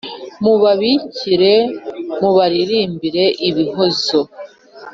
Mubabikire mubaririmbira ibihozo